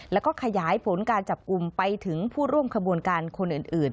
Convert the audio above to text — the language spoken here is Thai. แล้วก็ขยายผลการจับกลุ่มไปถึงผู้ร่วมขบวนการคนอื่น